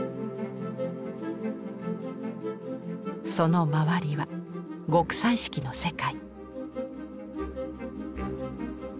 その周りは極彩色の世界。